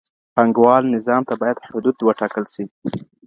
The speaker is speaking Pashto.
پانګوال نظام ته بايد حدود وټاکل سي.